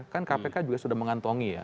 kan kpk juga sudah mengantongi ya